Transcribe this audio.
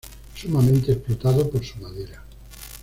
Sumamente explotado por su madera.